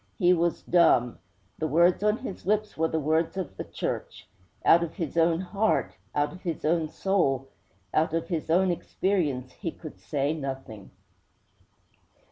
He was dumb. The words on his lips were the words of the Church. Out of his own heart, out of his own soul, out of his own experience, he could say nothing.'